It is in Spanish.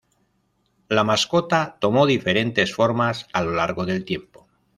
La mascota tomó diferentes formas a lo largo del tiempo.